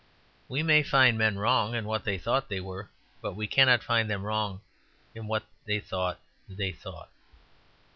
We may find men wrong in what they thought they were, but we cannot find them wrong in what they thought they thought.